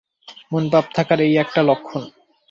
মনে পাপ থাকার এই একটা লক্ষণ।